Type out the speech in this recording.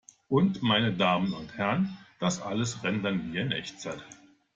Und, meine Damen und Herren, das alles rendern wir in Echtzeit!